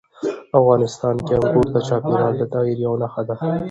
افغانستان کې انګور د چاپېریال د تغیر یوه نښه ده.